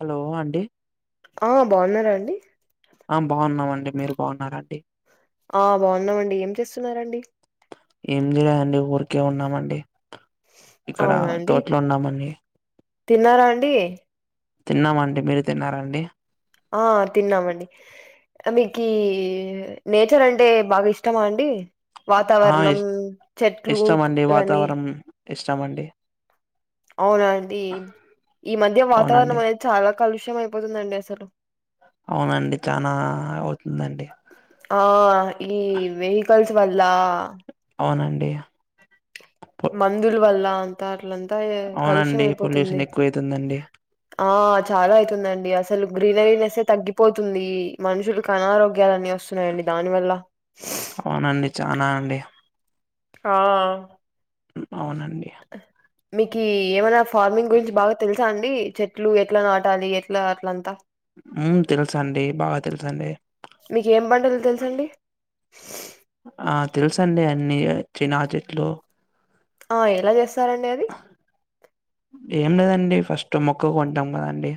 Hello అండి. ఆ బావున్నారా అండి. ఆ బావున్నామండి, మీరు బావున్నారండి. ఆ బావున్నావండి, ఏం చేస్తున్నారండి. ఏమ్ లేదండి ఊరికే ఉన్నామండి. ఇక్కడ అవునా అండి తోట్లో ఉన్నామండి. తిన్నారా అండి. తిన్నామండి, మీరు తిన్నారండి. మీకీ నేచర్ అంటే బాగా ఇష్టమా అండి. ఆ వాతావరణం చెట్లు ఇష్టం పు అండి ఇవన్నీ వాతావరణం ఇష్టమండి. అవునా అండి. ఈ మధ్య అవునండి వాతావరణం అనేది చాలా కలుష్యం అయిపోతుదండి అసలు అవునండి చానా అవుతుందండి ఆ ఈ వెకల్స్ వల్ల అవునండి పొ మందుల్ వాళ్ళ అంతర్ లంతాయే కలుష్యం అవునండి అయిపోతుంది. పొల్యూషన్ ఎక్కువ అయితుందండి ఆ చాలా అయితుందండి అసలు గ్రీనరీనెస్ ఏ తగ్గిపోతుంది, మనుషుకి అనారోగ్యాలన్ని వస్ స్తున్నాయండి దాని వల్ల. అవునండి చానా అండి ఆ ఉమ్ అవునండి. మీకి ఏమైనా ఫార్మింగ్ గురించి బాగా తెలుసా అండి, చెట్లు ఎట్లా నాటాలి, ఎట్లా అట్లంతా. ఉమ్ తెల్స్ అండి, బాగా తెల్సండి. తెల్సండి. ఆ తెల్సండి అన్ని, చినా చెట్లు. ఆ ఎలా జేస్తారండి అది. ఏం లేదండి ఫస్ట్ మొక్క కొంటాం కదండి,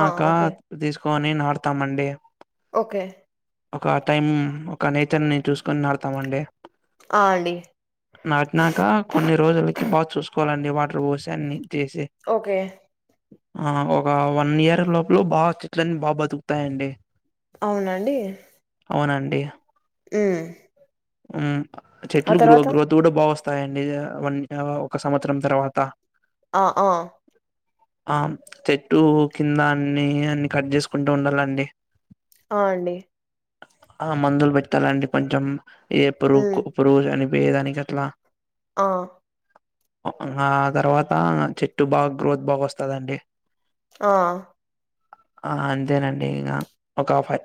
ఆ ఓకే తీస్క్ కొని నాటతామండి. ఓకే ఒక టైం, ఒక నేచర్ ని చూసుకొని నాటాతాం అండి. ఆ అండి నాటినాక, కొన్ని రోజులకి బాగా చూసుకోవాలండి వాటర్ పోస్. ఓకే ఆ ఒక వన్ ఇయర్ లోపలో బా, చెట్లన్నీ బాగా బతుకుతాయండి. అవునండి. అవునండి. ఉమ్ ఉమ్ ఆ చెట్లు గ్రో, తర్వాత గ్రోత్ కూడా బాగా వస్తాయండి. వన్ ఒక సంవత్సరం తర్వాత. ఆ ఆ ఆమ్ చెట్టు కింద అన్ని, అన్ని కట్ జేసుకుంటూ ఉండాలండి. ఆ అండి. ఆ మందుల్ పెట్టాలండి పంచం, ఏ ఉమ్ పురుక్కు పురుగులు చనిపోయేదానికి అట్లా. ఆ ఆ తర్వాత చెట్టు బాగా గ్రోత్, బాగోస్తందండి. ఆ ఆ అంతేనండి ఇగా, ఒక ఫై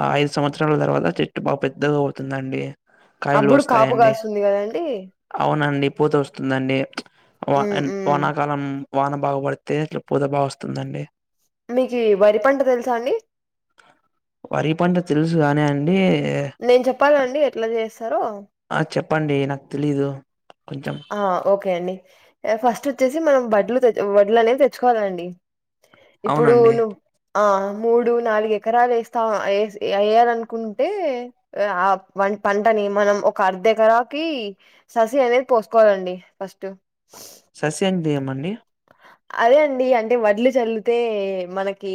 ఆ ఐదు సంవత్సరాల తర్వాత, చెట్టు బాగ్ పెద్దగా అవుతుందండి. కాయాలు అప్పుడు కాపు వస్తాయండి, కాస్తుంది కదండి అవునండి. పూత వస్తుందండి, వా ఉమ్ అన్ ఉమ్ వానాకాలం. వాన బాగా పడితే, ఇట్లా పూత బాగా వస్తుందండి. మీకి వరి పంట తెల్సా అండి. వరి పంట తెల్సు గానీ అండి. నేన్ చెప్పాలండి ఎట్లా జేస్తారో. ఆ చెప్పండి నాక్ తెలీదు. కొంచెం ఆ ఓకే అండి, ఇగ ఫస్ట్ ఓచ్చేసి మన బడ్లు వడ్లు అనేవి తెచ్చుకోవాలండి. ఇప్పుడు అవునండి నువ్ ఆ మూడు, నాలుగు ఎకరాలు ఎస్తా వేయ్యాలనుకుంటే, ఆ పన్ పంటని నీ మనం ఒక అర్ధ ఎకరాకి, ససి అనేది పోసుకోవాలండి ఫస్ట్. ససి అంటే దేమండి. అదే అండి అంటే వడ్లు చల్లితే, మనకి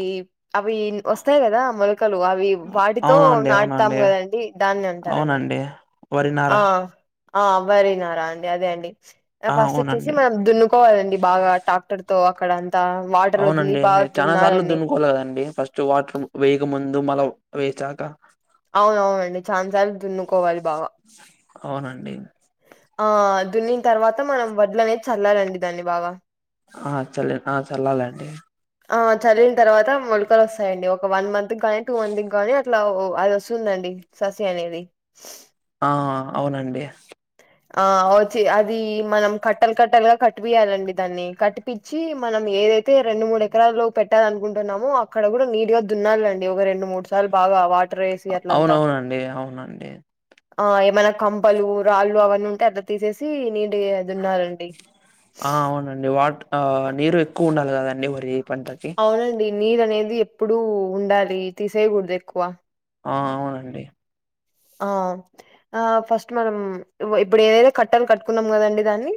అవి వస్తాయి కదా మొలక్ కలు అవి వాటితో అవునండి నాటుతాం అవునండి కదండి, దాన్ని అంటారండి. అవునండి ఆ వరినార. ఆ వరినారా అండి అదే అండి ఆ ఫస్ట్ వచ్చేసి అవునండి మనం దున్నుకోవాలండి బాగా టాక్టర్ తో అక్కడన్ అవునండి చాలా సార్లు దున్నుకోవాలకదండి ఫస్ట్ వాటర్ వేయక ముందు మళ వేచాక అవునవునండి ఛాన్సార్లు దున్నుకోవాలి బాగా అవునండి ఆ దున్నిన తర్వాత మనం వడ్లు అనేది చల్లాలండి దాన్ని బాగా ఆ చల్ల ఆ చల్లాలండి ఆ చల్లిన తర్వాత మొలకలు వస్తాయండి ఒక వన్ మంత్కీ గానీ టూ మంత్ కి కాని ఇట్లా అది వస్తుందండి ససి అనేది ఆ అవునండి ఆ వచ్చే అది మనం కట్టలు కట్టలుగా కట్పియాలండి దాన్ని కట్పిచ్చి మనం ఏదైతే రెండు మూడు ఎకరాలు పెట్టాలి అనుకుంటున్నామో అక్కడ కూడా నీట్ గా దున్నాలండి ఒక రెండు మూడు సార్లు బాగా వాట్ అవునవునండి అవునండి ఆ ఏమైనా కంపలు రాళ్ళు అవన్నీ ఉంటే అట్లా తీసేసి నీ యే దున్నాలండి ఆ అవునండి వాట్ ఆ నీరు ఎక్కువ ఉండాలి కదండి వరి పంటకి అవునండి నీరు అనేది ఎప్పుడూ ఉండాలి తీసేయకూడదు ఎక్కువ ఆ అవునండి ఆ ఆ ఫస్ట్ మనం ఇప్పుడు ఏదైతే కట్టలు కట్టుకున్నాం కదండి దాన్ని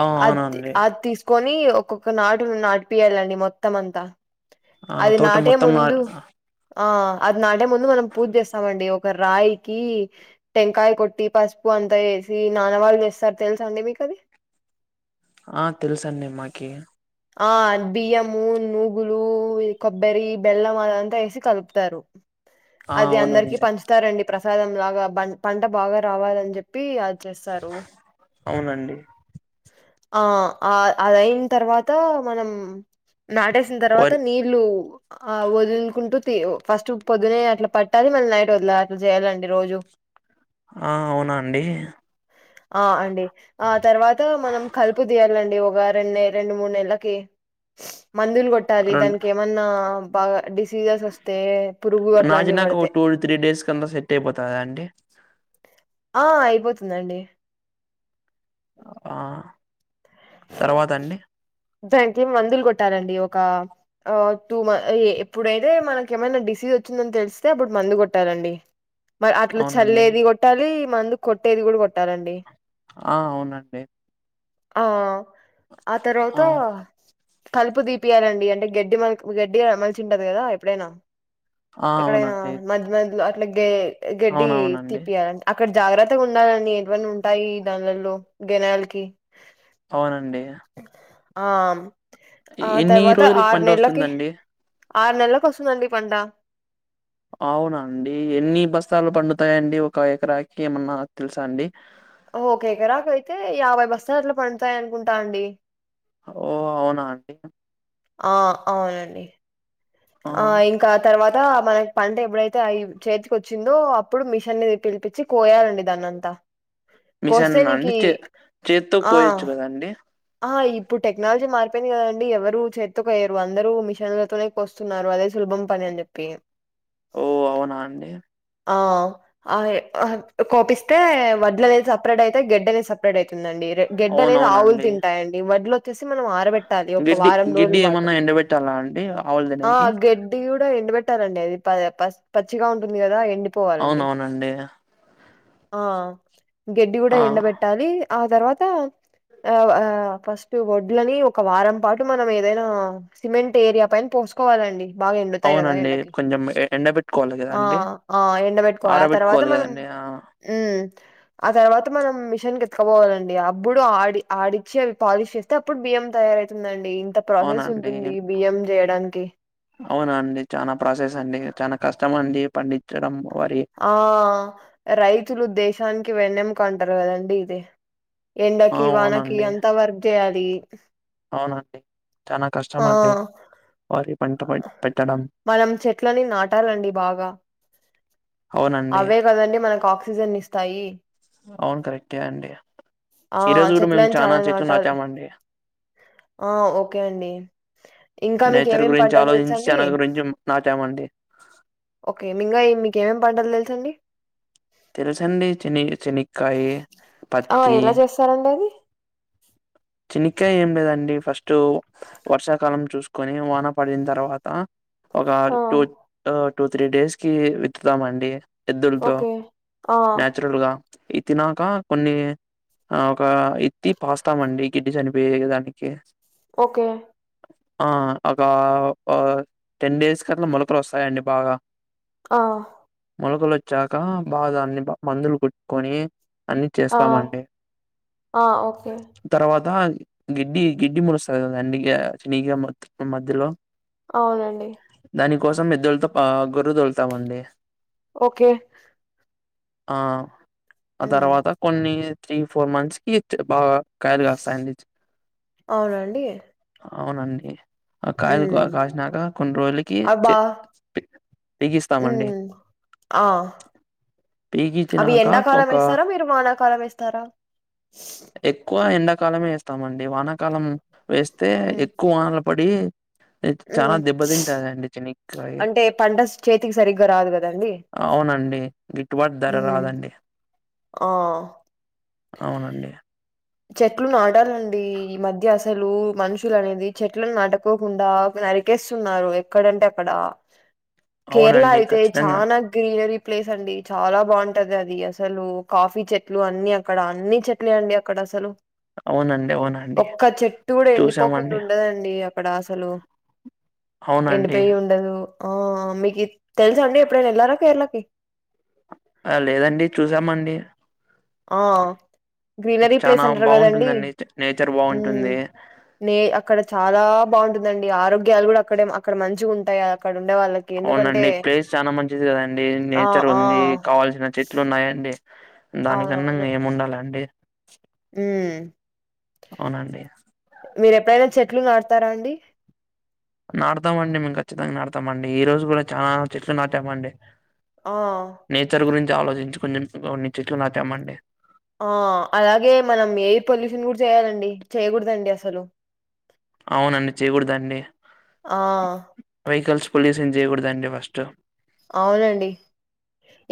ఆ అది అవునండి అది తీసుకొని నీ ఒక్కొక్క నాటు నాటి పియాలండి మొత్తం అంతా ఆ అది తోట నాటే మొత్తం నా ముందు ఆ అది నాటే ముందు మనం పూజ చేస్తామండి ఒక రాయికి టెంకాయ కొట్టి పసుపు అంతా వేసి నానవాళ్ళు చేస్తారు తెలుసా అండి మీకు అది [inaudible] ఆ తెలుసండి మాకి ఆ బియ్యము నూగులు కొబ్బరి బెల్లం అదంతా వేసి కలుపుతారు ఆ అది అందరికి అవునండి పంచుతారండి ప్రసాదం లాగా బన్ పంట బాగా రావాలని చెప్పి చేస్తారు అవునండి ఆ ఆ అదయిన్ తర్వాత మనం నాటేసిన తర్వాత వరి నీళ్లు ఆ వదులుకుంటూ ఫస్ట్ పొద్దునే అట్లా పట్టాలి మళ్ళీ నైట్ వదలాలి అట్లా చేయాలండి రోజు ఆ అవునా అండి ఆ అండి ఆ తర్వాత మనం కలుపు తీయాలండి ఒక రెండు రెండు మూడు నెలలకి మందులు కొట్టాలి రెండు దాన్కెమన్నా బాగ డిస్ సీజస్ వస్తే పురుగు అట్లాంటివి నాటినాక పడితే ఒక టూ త్రీ డేస్ కన్నా సెట్ అయిపోతదా అండి ఆ అయిపోతుందండి ఆ తర్వాత అండి దానికి మందులు కొట్టాలండి ఒక ఆ టూ మ ఎప్పుడైతే మనక ఏమైనా డిసి వచ్చిందని తెలిస్తే అప్పుడు మందు కొట్టాలండి మరి అట్లా అవునండి చల్లేది కొట్టాలి మందు కొట్టేది కూడా కొట్టాలండి ఆ అవునండి ఆ ఆ తర్వాత కలుపు తీపియాలండి అంటే గడ్డి మ గడ్డి మలిచి ఉంటది కదా ఎప్పుడైనా ఆ ఎక్కడైనా అవునండి మధ్య మధ్యలో అట్లా గ గడ్డి అవునవునండి తీపియాలండి అక్కడ జాగ్రత్తగా ఉండాలండి ఎట్వీ ఉంటాయి దానిలలో గెనాలకి అవునండి ఆ ఎన్ని ఆతర్వాత రోజులకి ఆరు పంట నెలకి వస్తుందండి ఆరు నెలలకు వస్తుందండి పంట అవునండి ఎన్ని బస్తాలు పండుతాయండి ఒక ఎకరాకి ఏమన్నా తెలుసా అండి ఓ ఒక ఎకరాకి రాకైతే యాభై బస్తాలు పడుతాయి అనుకుంటా అండి ఓ అవునా అండి ఆ అవునండి ఆ ఇంకా తర్వాత అ మనకి పంట ఎప్పుడైతే చేతికి వచ్చిందో అప్పుడు మిషన్ నీ పిలిపించి పోయాలండి దాన్నంతా మిసన్ కోస్తే అండి నీకి చే చేతో ఆ కోయచ్చు కదాండి ఆ ఇప్పుడు టెక్నాలజీ మారిపోయింది కదండి ఎవరు చేతో కొయ్యరు అందరూ మిషన్లతోనే కోస్తున్నారు అదే సులభం సుభం పని అని చెప్పి ఓ అవునా అండి ఆ ఆ కోపిస్తే వడ్లనేది సపరేట్ యితే గెడ్డనే సపరేట్ అయితే తిందండి గెడ్డ అనేది ఆవులు అవునవునండి తింటాయండి వడ్ల ఎత్తేసి మనం ఆరబెట్టాలి ఒక గిడ్డి వారం గిడ్డి రోజుల పాటు ఏమన్నా ఎండబెట్టాలా అండి ఆవులు ఆ తినేకి గడ్డి కూడా ఎండ పెట్టా ఉంటాదండి అది పచ్చిగా ఉంటుంది కదా ఎండి అవునవునండి ఆ గడ్డి కూడా ఆ ఎండబెట్టాలి ఆ తర్వాత ఆ ఆ ఫస్ట్ వడ్లని ఒక వారం పాటు మనం ఏదైనా సిమెంట్ ఏరియా పైన పో చూసుకోవాలండి అవునండి కొంచెం ఎండబెట్టుకోవాలి కదా ఆ ఆ ఎండబెట్టుకోవాలి ఆ తర్వాత మనం కదండి ఆ ఉమ్ ఆ తర్వాత మనం మిషన్ కి ఎత్తుకపోవాలండి అప్పుడు ఆడి ఆడించి అవి పాలిష్ చేస్తే అప్పుడు బియ్యం తయ అవుతుందండి ఇంత ప్రాసెస్ అవునండి ఉంటుంది బియ్యం చేయడానికి అవునా అండి చానా ప్రాసెస్ అండి చానా కష్టమ అండి పండించడం వరి ఆ రైతులు దేశానికి వెన్నెముక అంటారు కదండి ఇదే ఆ ఎండకి వానకి అవునండి అంత వర్క్ చేయాలి అవునండి చానా కష్టమండి ఆ వారి పంట ప పెట్టడం మనం చెట్లని నాటాలండి బాగా అవునండి అవే కదండి మనకి ఆక్సిజన్ ఇస్తాయి అవును కరెక్టే అండి ఆ ఈ రోజు కూడా మేము చెట్లని చానా చాలా చెట్లు నాటాలి నాటామండి ఆ ఓకే అండి ఇంకా మీకు నేచర్ ఏమేమ్ గురించి పంటలు ఆలోచించి తెలుసండి చానా గురించి నాటామండి ఓకే ఇంకా మీక ఏమేమి పంటలు తెలుసండి తెల్చండి చిని చెనిక్కాయి ఆ పత్తి ఎలా చేస్తారండి అది చెనిక్కాయి ఏం లేదండి ఫస్ట్ వర్షాకాలం చూసుకొని వాన పడిన తర్వాత ఒక ఆ టూ టూ త్రీ డేస్ కి విత్తుతామండి ఎద్దులతో ఓకే ఆ నాచురల్ గా ఇత్తినాక కొన్ని ఆ ఒక ఇత్తి పాస్తామండి కిట్ చనిపోయే దానికి ఓకే ఆ ఒక టెన్ డేస్ కట్ల మొలకలు వస్తాయండి బాగా ఆ మొలకలు వచ్చాక బాగా అని మందులు కోట్టుకొని అన్ని ఆ చేస్తామండి. ఆ ఓకే తర్వాత గిడ్డి గిడ్డి ములుస్త గే చిన్నె న్నిగా మధ్యలో అవునండి కోసం ఎద్దలతో పా గోర్రు తొలుతామండి. ఓకే ఆ ఆ ఉమ్ తర్వాత కొన్ని త్రీ ఫోర్ మంత్స్ కి బాగా. కాయలు కాస్తాయండి చి అవునండి అవునండి ఆ కాయలు ఉమ్ కాసినాక కొన్ని రోజులకి చె ఉ పీగిస్తామండి ఆ అవి పీగించినాక ఎండాకాలం ఒక వేస్తారా మీరు వానాకాలం వేస్తారా. ఎక్కువ ఎండాకాలమే వేస్తామండి వానాకాలం వేస్తే ఉమ్ ఎక్కువ వానలు పడి చాలా ఉమ్ దెబ్బతింటదండి చిన్న అంటే పంట చేతికి సరిగ్గా రాదు కదండి. అవునండి గిట్టుబాటు ధర ఉమ్ రాదండి. ఆ అవునండి చెట్లు నాటాలండి ఈ మధ్య అసలు మనుషులు అనేది చెట్లను నాటుకోకుండా నరికేస్తున్నారు ఎక్కడంటే అక్కడ కేరళ అవునండి అయితే ఖచ్చితంగా చానా గ్లీర ప్లేస్ అండి చాలా బాగుంటది అది అసలు కాఫీ చెట్లు అన్ని అక్కడ అన్ని చెట్లే అండి. అక్కడసలు అవునండే ఒక్క చెట్టు కూడా ఎండిపోకుండా ఉండదండి అక్కడ అసలు. ఎండి అవునండి పోయి ఉండదు ఆ మీకు తెలుసా అండి ఎప్పుడే న ఎళ్లారా కేరళకి ఆ లేదండి చూసామండి ఆ గ్రీనరీ ప్లేస్ చానా అంటారు కదండి బాగుంటుందండి నేచర్ ఉ బాగుంటుంది నే అక్కడ చాలా బాగుంటుందండి ఆరో గలు కూడా అక్కడే అక్కడ మంచిగా ఉంటాయి అక్కడన. అవునండి ప్లేస్ చాలా మంచిది కదండి ఆ నేచర్ ఆ ఉంది కావల్సిన చెట్లు ఉన్నాయండి. దానికన్నా ఇంక ఏం అవునవునండి ఉండాలండి ఉమ్ అవునండి మీరు ఎప్పుడైనా చెట్లు నాటుతారా అండి నాటుతామండి మేము ఖచ్చితంగా నాటుతామండి ఈ రోజు కూడా చాలా చెట్లు నాటామండి. ఆ నేచర్ గురించి ఆలోచించి కొంచెం కొన్ని చెట్లు నాటామండి ఆ అలాగే మనం ఎయిర్ పొల్యూషన్ కూడా చేయాలండి చేయకూడదండి అసలు అవునండి చేయకూడదు అండి ఆ వెహికల్స్. పొల్యూషన్ చేయకూడదు అండి ఫస్ట్. అవునండి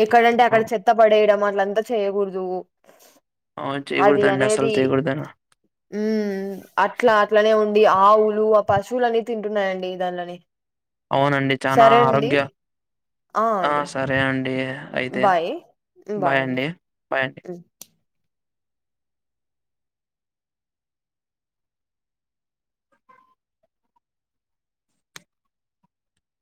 ఎక్కడంటే ఆ అక్కడ చెత్త పడేయడం అని. అంత చేయకూడదు అవును అది చేయకూడదండి అసలు అనేది చేయకూడదని ఉ అట్లా అట్లనే ఉ ఆవులు ఆ పశువులు అని తింటున్నాయండి దానలని అవునండి చనా ఆరోగ్య ఆ సరే అండి అయితే బాయ్ బాయ్ అండి. బాయండి బయండి